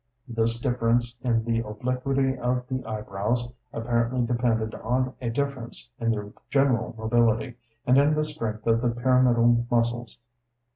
This difference in the obliquity of the eyebrows apparently depended on a difference in their general mobility, and in the strength of the pyramidal muscles.